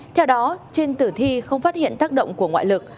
theo đó trên tử thi không phát hiện tác động của ngoại lực